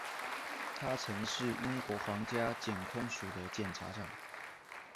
他曾是英国皇家检控署的检察长。